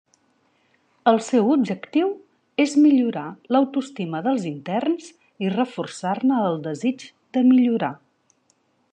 El seu objectiu és millorar l'autoestima dels interns i reforçar-ne el desig de millorar.